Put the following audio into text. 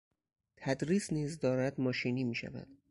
تدریس نیز دارد ماشینی میشود.